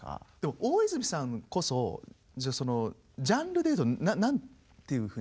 大泉さんこそじゃあジャンルでいうと何ていうふうになるんですか？